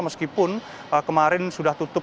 meskipun kemarin sudah tutup